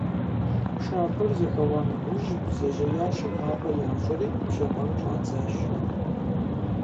Пшапэр зэхэуа нэужь, бдзэжьеящэхэм мафӀэ ящӀри, пщэфӀэн щӀадзащ.